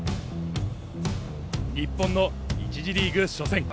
日本の１次リーグ初戦。